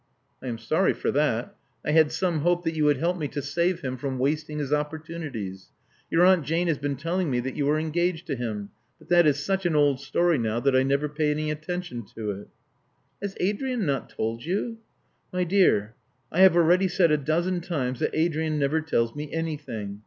••I am sorry for that. I had some hope that you would help me to save him from wasting his opportu nities. Your Aunt Jane has been telling me that you are engaged to him ; but that is such an old story now that I never pay any attention to it." ••Has Adrian not told you " '*My dear, I have already said a dozen times that Adrian never tells me anything.